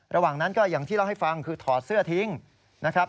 ระหว่างนั้นก็อย่างที่เล่าให้ฟังคือถอดเสื้อทิ้งนะครับ